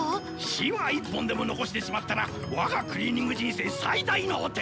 シワ１本でも残してしまったら我がクリーニング人生最大の汚点！